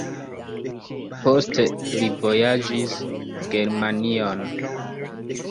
Poste li vojaĝis Germanion.